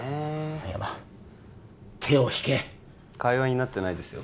深山手を引け会話になってないですよ